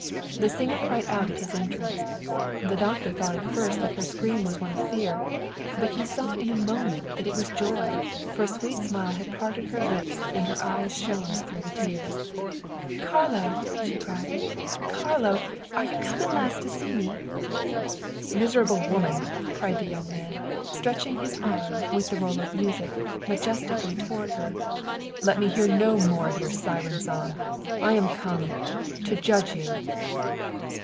The singer cried out at his entrance. The doctor thought at first that her scream was one of fear; but he saw in a moment that it was joy, for a sweet smile had parted her lips and her eyes shone through the tears. " Carlo !" she cried. " Carlo ! Are you come at last to see me ?"" Miserable woman !" cried the young man, stretching his arm, with the roll of music, majestically toward her. " Let me hear no more of your siren song. I am come to judge you